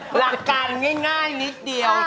หลักการง่ายนิดเดียว